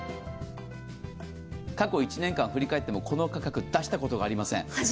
過去１年間を振り返っても、この価格、出したことがありません。